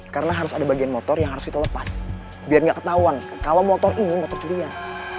karena harus ada bagian motor yang harus kita lepas biar gak ketahuan kalau motor ini motor curian